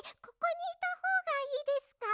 ここにいたほうがいいですか？